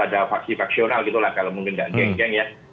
ada faksi faksional gitu lah kalau mungkin tidak geng geng ya